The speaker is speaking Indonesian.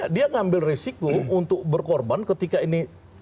dia ngambil risiko untuk berkorban ketika ini